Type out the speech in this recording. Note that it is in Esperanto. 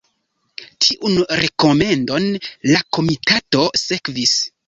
Tiun rekomendon la komitato sekvis.